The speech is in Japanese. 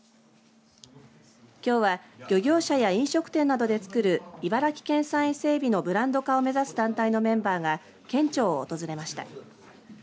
きょうは漁業者や飲食店などでつくる茨城県産いせえびのブランド化を目指す団体らが県庁を訪れました。